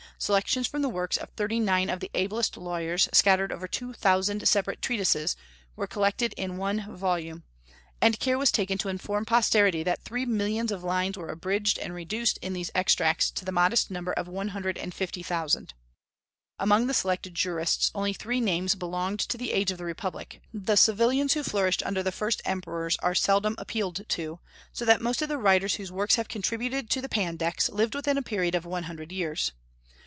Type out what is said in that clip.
Selections from the works of thirty nine of the ablest lawyers, scattered over two thousand separate treatises, were collected in one volume; and care was taken to inform posterity that three millions of lines were abridged and reduced in these extracts to the modest number of one hundred and fifty thousand. Among the selected jurists only three names belonged to the age of the republic, the civilians who flourished under the first emperors are seldom appealed to; so that most of the writers whose works have contributed to the Pandects lived within a period of one hundred years.